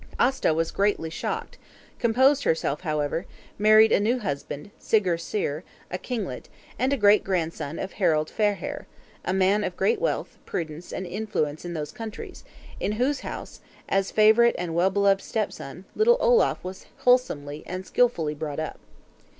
Aasta was greatly shocked; composed herself however; married a new husband, Sigurd Syr, a kinglet, and a great grandson of Harald Fairhair, a man of great wealth, prudence, and influence in those countries; in whose house, as favorite and well beloved stepson, little Olaf was wholesomely and skilfully brought up.